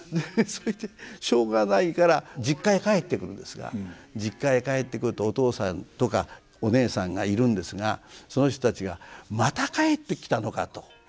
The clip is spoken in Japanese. そしてしょうがないから実家へ帰ってくるんですが実家へ帰ってくるとお父さんとかお姉さんがいるんですがその人たちが「また帰ってきたのか」と。